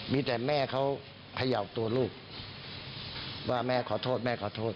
มีแต่แม่เขาเขย่าตัวลูกว่าแม่ขอโทษแม่ขอโทษ